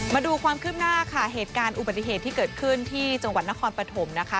มาดูความคืบหน้าค่ะเหตุการณ์อุบัติเหตุที่เกิดขึ้นที่จังหวัดนครปฐมนะคะ